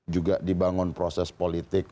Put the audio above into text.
juga dibangun proses politik